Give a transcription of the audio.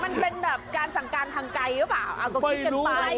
มันเป็นแบบการสั่งการทางไกลหรือเปล่าเอาก็คิดกันไป